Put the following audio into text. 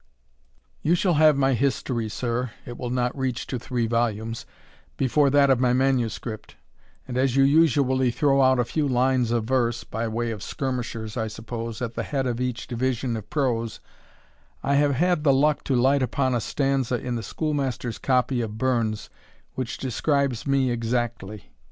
You shall have my history, sir, (it will not reach to three volumes,) before that of my manuscript; and as you usually throw out a few lines of verse (by way of skirmishers, I suppose) at the head of each division of prose, I have had the luck to light upon a stanza in the schoolmaster's copy of Burns which describes me exactly.